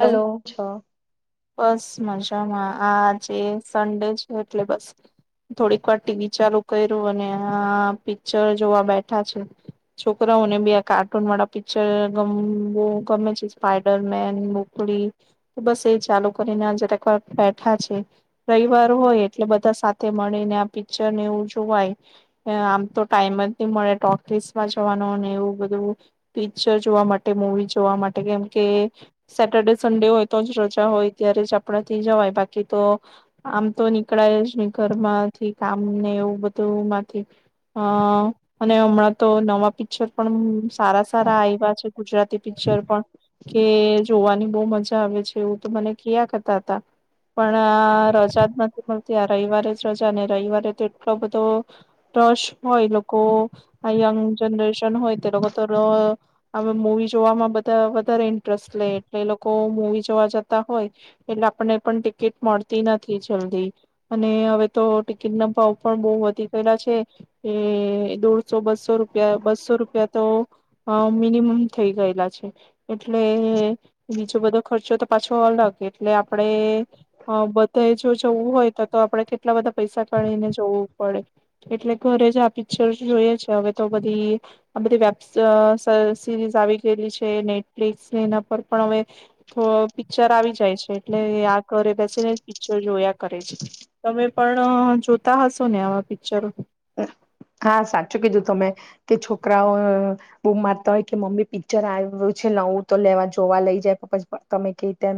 Hello છ. બસ મજામાં આજે સન્ડે છે એટલે બસ થોડીક વાર ટીવી ચાલુ કર્યું અને આ પિક્ચર જોવા બેઠા છે. છોકરાઓને બી કાર્ટૂન વાળા પિક્ચર ગમવુ ગમે છે સ્પાઈડર મેન બ બસ એ ચાલુ કરીને જરાકવાર બેઠા છે. રવિવાર હોય એટલે બધા સાથે મળીને આ પિક્ચરને એવું જોવાય. આમ તો ટાઈમ જ નહી મળે ટોકીસમાં જવાનો એવું બધું પિક્ચર જોવા માટે મુવી જોવા માટે કેમકે સેટરડે સન્ડે હોય તો જ રજા હોય. ત્યારે જ આપણા થી જવાય બાકી તો આમ તો નીકળાય જ નહી ઘરમાંથી. કામ ને એવું બધુંમાંથી અ અને હમણાં તો નવા પિક્ચર પણ સારા સારા આવ્યા છે ગુજરાતી પિક્ચર પણ. કે. જોવાની બહુ મજા આવે છે એવું તો મને કિયા કરતા હતા. પણ આ રજા જ નથી મળતી આ રવિવારે જ રજા ને રવિવારે તો એટલો બધો રસ હોય લોકો આ યંગ જનરેશન હોય તે લોકો તો મુવી જોમાં બધા વધારે ઇન્ટરેસ્ટ લે. એટલે એ લોકો મુવી જોવા જતા હોય એટલે આપણને પણ ટિકિટ મળતી નથી જલ્દી અને હવે તો ટિકિટ ના ભાવ પણ બહુ વધી ગયેલા છે. એ દોઢસો બસો રૂપિયા બસો રૂપિયા તો અ મિનિમમ થઈ ગયેલા છે એટલે બીજો બધો ખર્ચો તો પાછો અલગ એટલે આપણે અ બધે જો જવું હોય તો તો આપડે કેટલા બધા પૈસા કાઢીને જવું પડે, એટલે ઘરે જ આ પિક્ચર જોઈએ છે હવે તો બધી આ બધી વેબ્સ સર સિરીઝ આવી ગયેલી છે નેટફ્લિક્સ એના પર પણ હવે થો પિક્ચર આવી જ જાય છે એટલે આખરે બસ પિક્ચર જોયા કરે છે. તમે પણ જોતા હશો ને આવા પિક્ચરો? હા સાચું કીધું તમે કે છોકરાઓ બુમ મારતા હોય કે મમ્મી પિક્ચર આવ્યું છે નવું તો લેવા જોવા લઈ જાય પપ્પા તમે કે તેમ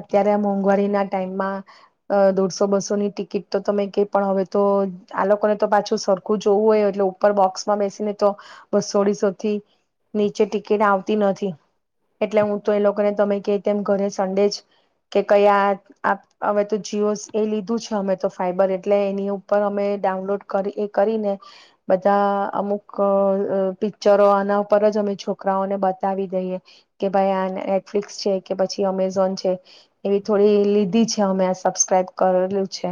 અત્યારે મોંઘવારી ના ટાઈમમાં અ દોઢસો બસો ની ટિકિટ તો તમે કે પણ હવે તો આ લોકોને તો પાછું સરખું જોવું હોય એટલે ઉપર બોક્સમાં બેસીને તો બસોડીસોથી નીચે ટિકિટ આવતી નથી. એટલે હું તો એ લોકોને તમે કે તેમ ઘરે સંડેજ કે કયા હવે તો જીઓસ એ લીધું છે. અમે તો ફાઈબર એટલે એની ઉપર અમે ડાઉનલોડ એ કરીને બધા અમુક અ પિક્ચરો આના પર જ અમે છોકરાઓને બતાવી દઈએ. કે ભાઈ આ નેટફ્લિક્સ છે કે પછી અમેઝોન છે એવી થોડી લીધી છે અમે આ સબસ્ક્રાઈબ કરેલું છે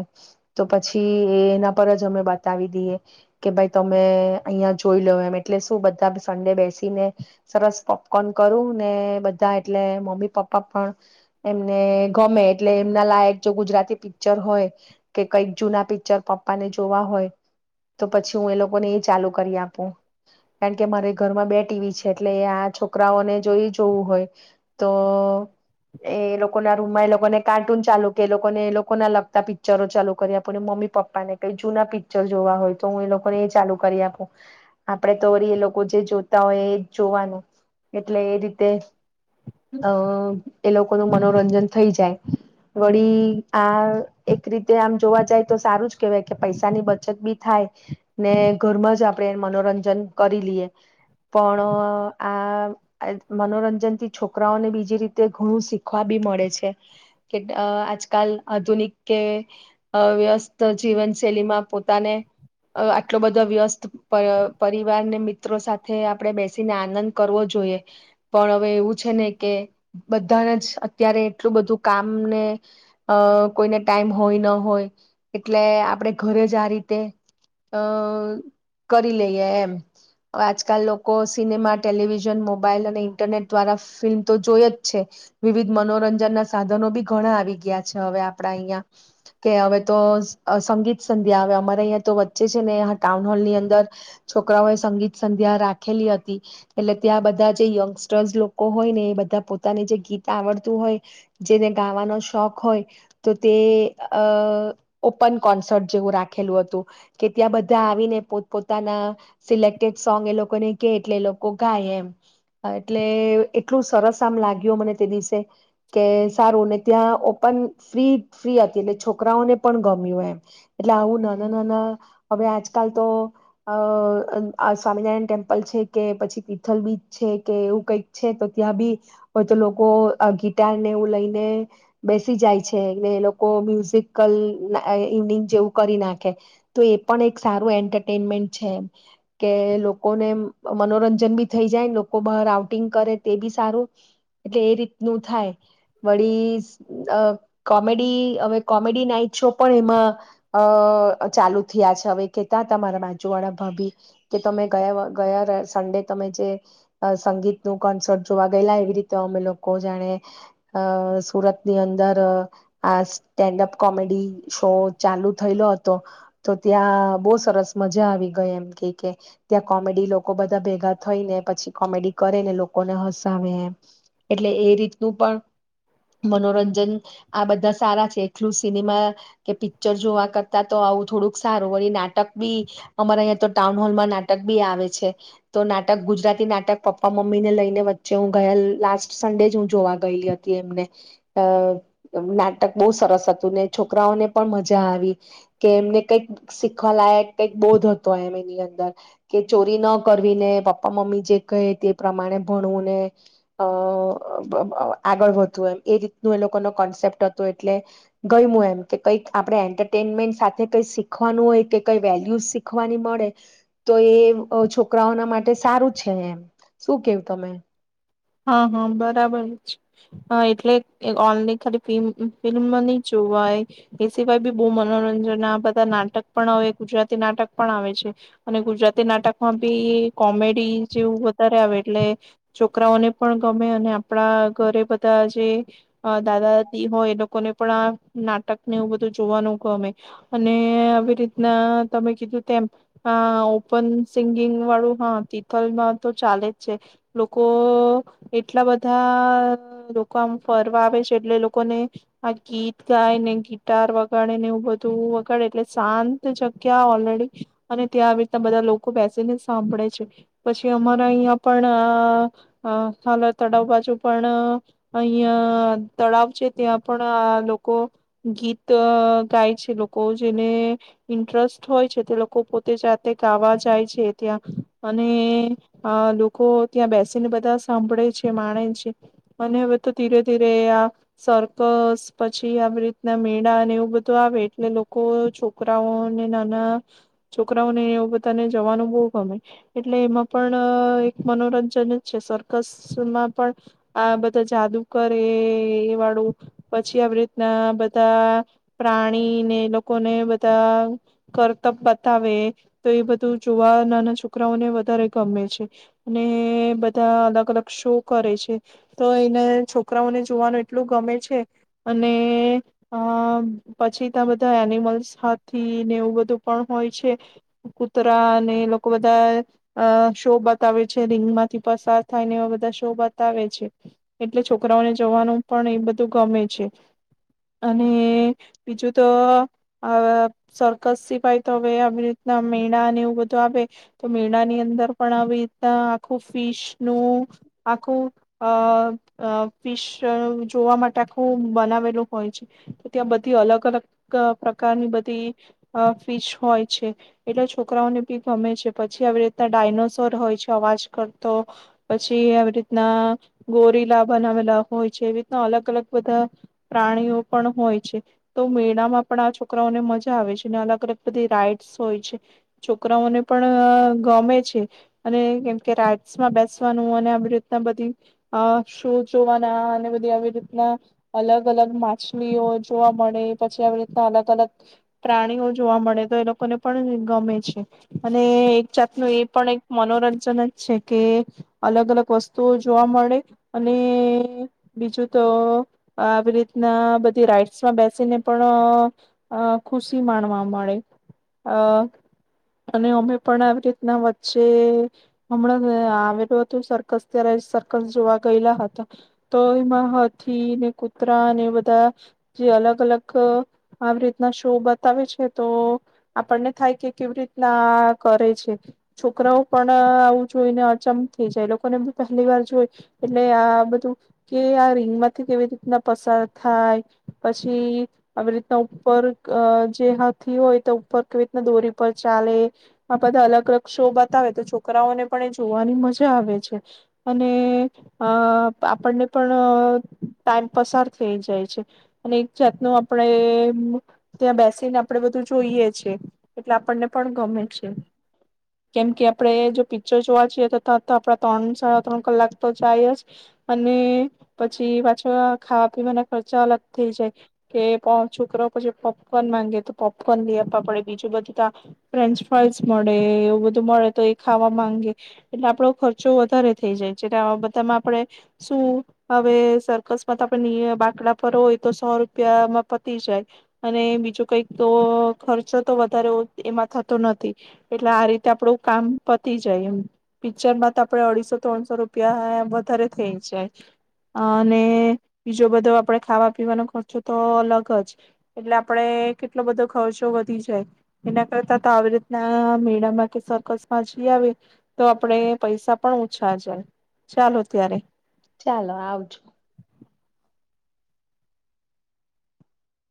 તો પછી એના પર જ અમે બતાવી દઈએ કે ભાઈ તમે અહિયાં જોઈ લ્યો એમ એટલે શું બધા સંડે બેસીને સરસ પોપકોર્ન કરું ને બધા એટલે મમ્મી પપ્પા પણ એમને ગમે એટલે એમના લાયક જો ગુજરાતી પિક્ચર હોય કે કઈક જૂના પિક્ચર પપ્પાને જોવા હોય તો પછી હું એ લોકોને એ ચાલુ કરી આપું. કારણ કે મારે ઘરમાં બે ટીવી છે એટલે આ છોક રાઓને જોઈ જોવું હોય તો એ લોકો ના રૂમમાં એ લોકોને કાર્ટૂન ચાલુ કે એ લોકોને એ લોકો ના લગતા પિક્ચરો ચાલુ કરી આપને મમ્મી પપ્પાને કઈ જૂના પિક જોવા હોય તો હું એ લોકોને એ ચાલુ કરી આપું આપડે તો વળી એ લોકો જે જોતા હોય એ જ જોવાનું એટલે એ રીતે અ એ લોકોનું મનોરંજન થઈ જાય વળી આ એક રીતે આમ જોવા જાય તો સારું જ કેહેવાય કે પૈસાની બ ચત ભી થાય ને ઘરમાં જ આપણે મનોરંજન કરી લઈએ. પણ અ આ મનોરંજન થી છોકરાઓને બીજી રીતે ઘણું શીખવા ભી મળે છે કે અ આજકાલ આધુનિક કે વ્યસ્ત જીવનશૈલીમાં પો પર પરિવારને મિત્રો સાથે આપણે બેસીને આનંદ કરવો જોઈએ. પણ હવે એવું છે ને કે બધાને જ અત્યારે એટલું બધું કામને અ કોઈને ટાઈમ હોય ન હોય એટલે આપણે ઘરે જ આ રીત તે અ કરી લઈએ એમ. આજકાલ લોકો સિનેમા, ટેલિવિઝન, મોબાઈલ અને ઇન્ટરનેટ દ્વારા ફિલ્મ તો જોય જ છે. વિવિધ મનોરંજન ના સાધનો બી ઘણા આવી ગયા છે. હવે આપડા અહિયાં કે હવે તો અ સંગીત સંધ્યા આવે આમા અયા તો વચ્ચે છે ને ટાઉન હોલ ની અંદર છોકરાઓ એ સંગીત સંધ્યા રાખેલી હતી. એટલે ત્યાં બધા જે યંગસ્ટર્સ લોકો હોય ને એ બધા પોતાને જે ગીત આવડતું હોય, જેને ગાવાનો શોખ હોય તો તે અ ઓપન કોન્સર્ટ જેવું રાખેલું હ કે ત્યાં બધા આવીને પોત પોતાના સિલેક્ટડ સોંગ એ લોકોને કે એટલે એ લોકો ગાય એમ એટલે એટલું સરસ આમ લાગ્યું. મને તે દિવસે કે સારું ત્યાં ઓપન ફ્રી-ફ્રી હતી એટલે છોકરાઓને પણ ગમ્યું એમ એટલે આવું નાના-નાના હવે આજકાલ તો અ સ્વામિનારાયણ ટેમ્પલ છે કે પછી તીથલ બીચ છે કે એવું કઈક છે તો ત્યાં બી હો તો લોકો ગિટાર ને એવું લઈને બેસી જાય છે ને લોકો મ્યુઝિકલ ઇવનિંગ જેવું કરી નાખે તો એ પણ એક સારું એન્ટરટેનમેન્ટ છે એ કે લોકોને મનોરંજન ભી થઈ જાય લોકો બહાર આઉટિંગ કરે તે ભી સારું એટલે એ રીતનું થાય વળી અ કોમેડી હવે કોમેડી નાઈટ શો પણ એમાં અ ચાલુ થયા છે હવે કેતા હતા મારા બાજુ વાળા ભાભી કે તમે ગયા ગયા સન્ડે તમે જે સંગીતનું કોન્સર્ટ જોવા ગયેલા એવી રીતે અમે લોકો જાણે અ સુરતની અંદર અ આ સ્ટેન્ડઅપ કોમેડી શો ચાલુ થયેલો તો ત્યાં બહુ સરસ મજા આવી ગઈ એમ કે ત્યાં કોમેડી લોકો બધા ભેગા થઈ ને પછી કોમેડી કરે ને લોકોને હસાવે એમ એટલે એ રીતનું પણ મનોરંજન આ બધા સારા છે એટલું સિનેમા કે પિક્ચર જોવા ક તા આવું થોડુંક સારું વળી નાટક ભી અમારા અહીંયા તો ટાઉન હોલમાં નાટક ભી આવે છે. તો નાટક ગુજરાતી નાટક પપ્પા-મમ્મી ને લઈને વચ્ચે હું ગયેલ લાસ્ટ સન્ડે જ હું જોવા ગયેલી હતી એમને અ નાટક બહુ સરસ હતું ને છોકરાઓને પણ મજા આવી કે એમને કઈક શીખવાલાયક કઈક બોધ હતો એમ એની અંદર કે ચોરી ન કરવીને પપ્પા-મમ્મી જે કહે તે પ્રમાણે ભણવુંને અ અ આગળ વધવું એમ એ રીતનું એ લોકોનો કોન્સેપ્ટ હતો એટલે ગય હું એમ કે કંઈક આપણે એન્ટરટેનમેન્ટ સાથે કઈ શીખવાનું હોય કે કઈ વેલ્યુ શીખવાની મળે તો એ અ છોકરાઓના માટે સારું છે એમ. શું કેવું તમે? હા, હા, બરાબર જ હ એટલે ઓનલી ખાલી ફિલ્મ નહી જોવાય એ સિવાય ભી બહ મનોરંજન બધા નાટક પણ આવે. ગુજરાતી નાટક પણ આવે છે અને ગુજરાતી નાટકમાં ભી કોમેડી જેવું વધારે આવે એટલે છોકરાઓને પણ ગમે અને આપડા ઘરે બધા જે દાદાદાદી હોય એ લોકોને પણ આ નાટકને બધું જોવાનું ગમે અને આવી રીતના તમે કીધું તેમ આ ઓપન સિંગિંગ વાળું હા, તિથલમાં તો ચાલે જ છે લોકો એટલા બધા લોકો આમ ફરવા આવે છે એટલે લોકોને આ ગીત ગાય ને ગિટાર વગાડે ને એવું બધું વગાડે એટલે શાંત જગ્યા ઓલરેડી અને ત્યાં આવી રીતના બધા લોકો બેસીને સાંભળે છે પછી અમારા અહિયાં પણ અ અ હાલ તળાવ બાજુ પણ અહીંયા તળાવ છે ત્યાં પણ આ લોકો ગીત અ ગાય છે. લોકો જેને ઇન્ટરસ્ટ હોય છે તે લોકો પોતે જાતે ગાવા જાય છે ત્યાં અને આ લોકો ત્યાં બેસીને બધા સાંભળે છે, માણે છે અને હવે તો ધીરે-ધીરે આ સરકસ પછી આવી રીતના મેળા ને એવું બધું આવે એટલે લોકો છોકરાઓને નાના છોકરાઓને એવું બધાને જવાનું બહુ ગમે એટલે એમાં પણ એક મનોરંજન જ છે સર કસ માં પણ આ બધા જાદુ કરે એ એ વાળું. પછી આવી રીતના બધા પ્રાણીને લોકોને બધા કરતબ બતાવે તો એ બધું જોવા નાના છોકરાઓને વધારે ગમે છે અને બધા અલગ અ અલગ શો કરે છે તો એને છોકરાઓને જોવાનું એટલું ગમે છે અને અ પછી તા બધા એનિમલ્સાથી ને એવું બધું પણ હોય છે. કૂતરા ને એ લોકો બધા અ શો બતાવે છે રિંગ માંથી પસાર થાયને એવા બધા શો બતાવે છે એટલે છોકરાઓને જવાનું પણ એ બધું ગમે છે અને બીજું તો આ સર્કસ સિપાય તો હવે આવી રીતના મેળા ને એવું બધું આવે તો મેળા ની અંદર પણ આવી રીતના આખું ફીશ નું આખું અ ફીશ જોવા માટે આખું બનાવેલું હોય છે તો ત્યાં બધી અલગ-અલગ પ્રકારની બધી ફીશ હોય છે એટલે છોકરાઓને ભી ગમે છે પછી આવી રીતના ડાયનોસોર હોય છે અવાજ કરતો પછી આવી રીતના ગોરીલા બનાવેલા હોય છે એવી રીતના અલગ-અલગ બધા પ્રાણીઓ પણ હોય છે તો મેળામાં પણ આ છોકરાઓને મજા આવે છે અને અલગ-અલગ બધી રાઈડસ હોય છે છોકરાઓને પણ ગમે છે અને કેમકે રાઈડ્સમાં બે સવાનું આવી રીતના બધી શો જોવાના અને બધી આવી રીતના અલગ-અલગ માછલીઓ જોવા મળે પછી આવી રીતના અલગ-અલગ પ્રાણીઓ જોવા મળે તો એ લોકોને પણ ગમે છે અને એક જાતનું એ પણ એક મનોરંજન જ છે કે અલગ-અલગ વસ્તુઓ જોવા મળે અને બીજું તો આવી રીતના બધી રાઈડ્સમાં બેસીને પણ અ ખુશી માણવા મળે અ અને અમે પણ આવી રીતના વચ્ચે હમણાં આવેલો સર્કસ ત્યારે સર્કસ જોવા ગયેલા હતા તો એમાં હાથી ને કૂતરા ને બધા જે અલગ-અલગ આવી રીતના શો બતાવે છે તો આપણને થાય કે કેવી રીતના કરે છે છોકરાઓ પણ આવું જોઈને અચમ થઈ જાય લોકોને ભી પહેલી વાર જોય એટલે આ બધું કે આ રીંગમાંથી કેવી રીતના પસાર થાય પછી આવી રીતના ઉપર અ જે હાથી હોય તો ઉપર કેવી રીતના દોરી પર ચાલે આ બધા અલગ-અલગ શો બતાવે તો છોકરાઓને પણ એ જોવાની મજા આવે છે અને અ આપણને પણ ટાઈમ પસાર થઈ જાય છે અને એક જાતનું આપણે ત્યાં બેસીને આપણે બધું જોઈએ છીએ એટલે આપણને પણ ગમે છે કેમ કે આપણે જો પિક્ચર જોવા જઈએ તો ત તો આપડા ત્રણ, સાડા ત્રણ કલાક તો જાય જ અને પછી પાછો ખાવા-પીવાના ખર્ચા અલગ થઈ જાય કે છોકરાઓ પછી પોપકોર્ન માંગે તો પોપકોર્ન લઈ આપવા પડે બીજું બધું ત ફ્રેન્ચ ફાઈસ મળે એવું બધું મળે તો એ ખાવા માંગે એટલે આપડો ખર્ચો વધારે થઈ જાય પાછી આવા બધામાં આપણે શું હવે સરર્કસમાં તો આપણે બાકડા ફ હોય તો સો રૂપિયામાં પતી જાય અને બીજું કઈક તો ખર્ચો તો વધારે એમાં થતો નથી એટલે આ રીતે આપડું કામ પતી જાય એમ પિક્ચરમાં તો આપડે અઢીસો ત્રણસો રૂપિયા વધારે થઈ જાય અને બીજો બધો આપડે ખાવા પીવાનો ખર્ચો તો અલગ જ એટલે આપણે કેટલો બધો ખર્ચો વધી જાય એના કરતા તો આવી રીતના મેળામાં કે સર્કસમાં જઈ આવે તો આપણે પૈસા પણ ઓછા છે. ચાલો ત્યારે ચાલો, આવજો.